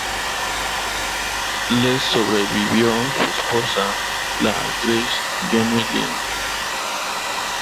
Le sobrevivió su esposa, la actriz Jenny Lynn.